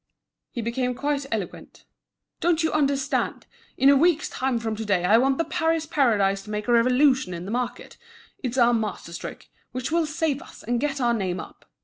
He became quite eloquent. "Don't you understand? In a week's time from today I want the Paris Paradise to make a revolution in the market. It's our master stroke, which will save us, and get our name up.